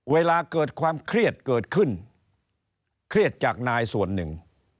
เวลาเกิดความเครียดเกิดขึ้นเครียดจากนายส่วนหนึ่ง